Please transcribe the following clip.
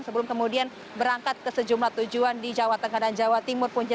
sebelum kemudian berangkat ke sejumlah tujuan di jawa tengah dan jawa timur punca